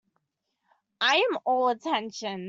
I am all attention.